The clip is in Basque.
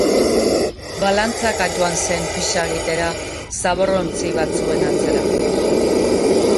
Balantzaka joan zen pixa egitera zaborrontzi batzuen atzera.